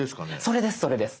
それですそれです！